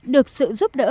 được sự giúp đỡ